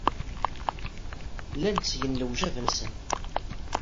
Llan ttgen lwajeb-nsen.